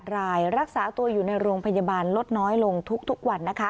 รายรักษาตัวอยู่ในโรงพยาบาลลดน้อยลงทุกวันนะคะ